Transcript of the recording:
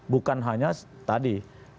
bukan hanya tadi